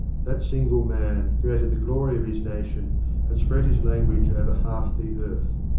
That single man created the glory of his nation and spread his language over half the earth.